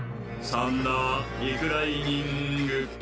サンダー・リクライニング。